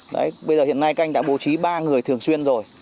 bây giờ hiện nay các anh đã bố trí ba người thường xuyên rồi